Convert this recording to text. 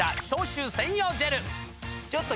ちょっと。